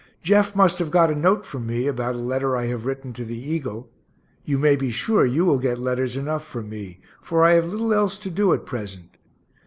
Jeff must have got a note from me about a letter I have written to the Eagle you may be sure you will get letters enough from me, for I have little else to do at present.